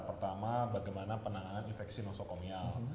pertama bagaimana penanganan infeksi nosokomial